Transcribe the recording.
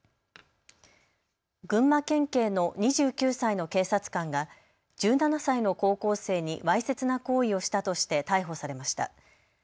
群馬県警の２９歳の警察官が１７歳の高校生にわいせつな行為をしたとして逮捕されました。